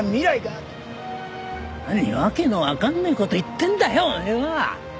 何訳のわかんねえ事言ってんだよお前は！